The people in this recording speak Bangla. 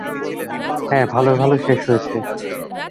হ্যাঁ, ভালোয় ভালোয় শেষ হয়েছে।